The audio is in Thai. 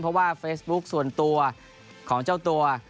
เพราะว่าเฟซบุ๊คส่วนตัวของเจ้าตัว